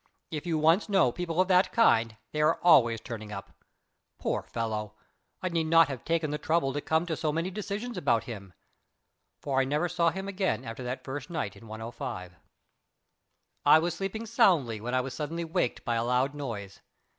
If you once know people of that kind, they are always turning up. Poor fellow! I need not have taken the trouble to come to so many decisions about him, for I never saw him again after that first night in 105. I was sleeping soundly when I was suddenly waked by a loud noise.